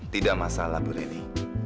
tidak masalah bu rini